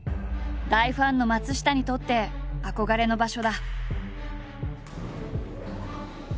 大ファンの松下にとって憧れの場所だ。